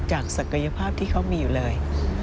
ศักยภาพที่เขามีอยู่เลย